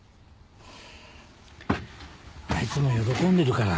あいつも喜んでるから。